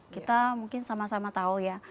kita mungkin sama sama tahu ya